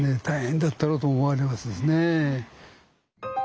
大変だったろうと思われますですねえ。